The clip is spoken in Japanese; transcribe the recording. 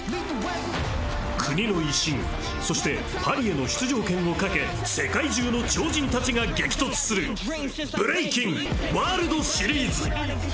国の威信、そしてパリへの出場権をかけ、世界中の超人たちが激突するブレイキンワールドシリーズ。